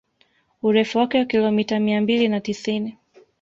Urefu wake wa kilomita mia mbili na tisini